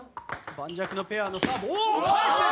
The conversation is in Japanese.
盤石のペアのサーブおおっ返してる。